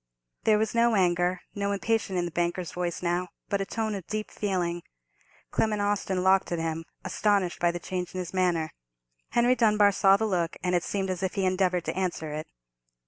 There was no anger, no impatience in the banker's voice now, but a tone of deep feeling. Clement Austin locked at him, astonished by the change in his manner. Henry Dunbar saw the look, and it seemed as if he endeavoured to answer it.